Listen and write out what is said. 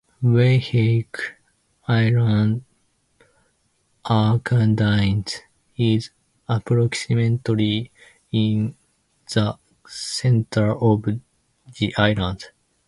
Waiheke Island Aerodrome is approximately in the centre of the island.